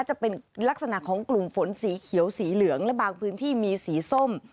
จะเป็นลักษณะของกลุ่มฝนสีเขียวสีเหลืองและบางพื้นที่มีสีส้ม